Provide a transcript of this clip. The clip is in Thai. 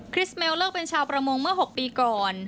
สเมลเลิกเป็นชาวประมงเมื่อ๖ปีก่อน